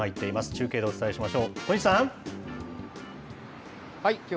中継でお伝えしましょう。